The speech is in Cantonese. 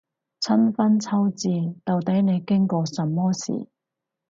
春分秋至，到底你經過什麼事